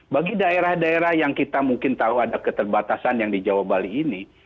bagi daerah daerah yang kita mungkin tahu ada keterbatasan yang di jawa bali ini